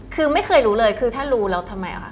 คือไม่เคยรู้เลยคือถ้ารู้แล้วทำไมค่ะ